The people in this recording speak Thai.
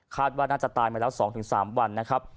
ว่าน่าจะตายมาแล้ว๒๓วันนะครับ